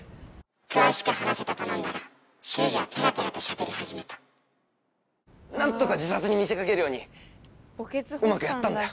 「詳しく話せ」と頼んだら秀司はペラペラとしゃべり始めた何とか自殺に見せかけるようにうまくやったんだよ。